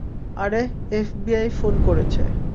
আরে, FBI phone করেছে।